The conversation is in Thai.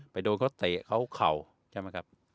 โดนเขาเตะเขาเข่าใช่ไหมครับ